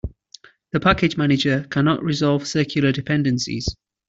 The package manager cannot resolve circular dependencies.